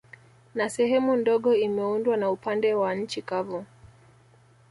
Na sehemu ndogo imeundwa na upande wa nchi kavu